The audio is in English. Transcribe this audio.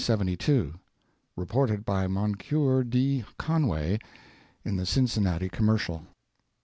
Reported by Moncure D. Conway in the Cincinnati Commercial.